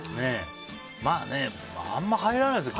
あんま入らないですよね。